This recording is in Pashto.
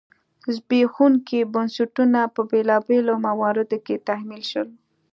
زبېښونکي بنسټونه په بېلابېلو مواردو کې تحمیل شول.